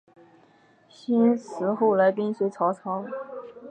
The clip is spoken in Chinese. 辛毗后来跟随曹操。